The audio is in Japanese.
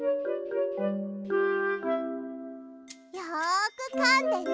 よくかんでね。